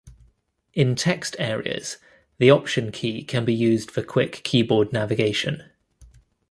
In text areas, the Option key can be used for quick keyboard navigation.